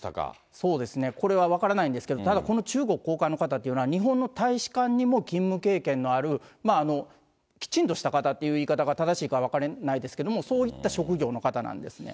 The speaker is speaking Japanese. そうですね、これは分からないんですけど、ただ、この中国高官の方っていうのは、日本の大使館にも勤務経験のある、きちんとした方っていう言い方が正しいか分からないですけれども、そういった職業の方なんですね。